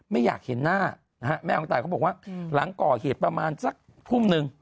ไม่อยากเห็นหน้านะฮะแม่ของตายเขาบอกว่าหลังก่อเหตุประมาณสักทุ่มนึง